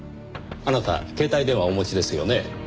あなた携帯電話お持ちですよね？